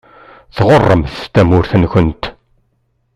Tɣuṛṛemt tamurt-nkent.